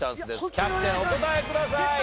キャプテンお答えください。